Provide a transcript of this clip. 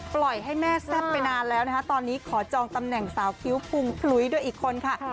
ปล่อยให้แม่แซ่บไปนานแล้วนะคะตอนนี้ขอจองตำแหน่งสาวคิ้วพุงพลุ้ยด้วยอีกคนค่ะ